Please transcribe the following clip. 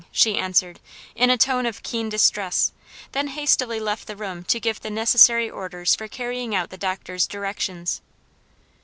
she answered, in a tone of keen distress; then hastily left the room to give the necessary orders for carrying out the doctor's directions.